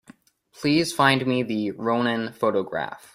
Please find me the Rounin photograph.